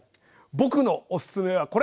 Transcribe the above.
僕のおすすめはこれ！